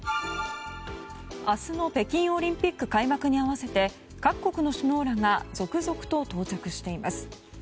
明日の北京オリンピック開幕に合わせて各国の首脳らが続々と到着しています。